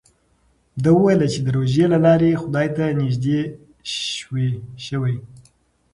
ده وویل چې د روژې له لارې خدای ته نژدې شوی.